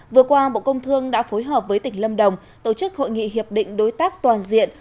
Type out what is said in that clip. vừa qua bộ công thương đã phối hợp với tỉnh lâm đồng tổ chức hội nghị hiệp định đối tác toàn diện